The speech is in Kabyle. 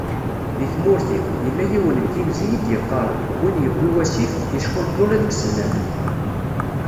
Deg tmurt-iw, yella yiwen n yinzi i d-yeqqaren, win yewwi wasif, yeckunṭud ula deg yisennanen.